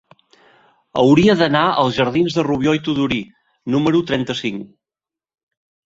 Hauria d'anar als jardins de Rubió i Tudurí número trenta-cinc.